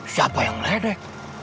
siapa yang ngeledek